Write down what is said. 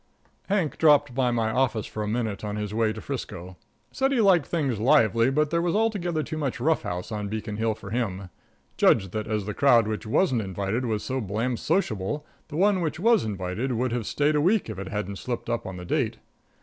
Hank dropped by my office for a minute on his way to 'Frisco. Said he liked things lively, but there was altogether too much rough house on Beacon Hill for him. Judged that as the crowd which wasn't invited was so blamed sociable, the one which was invited would have stayed a week if it hadn't slipped up on the date.